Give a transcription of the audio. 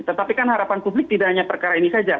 tetapi kan harapan publik tidak hanya perkara ini saja